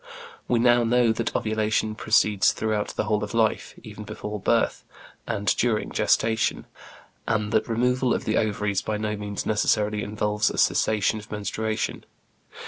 We now know that ovulation proceeds throughout the whole of life, even before birth, and during gestation, and that removal of the ovaries by no means necessarily involves a cessation of menstruation.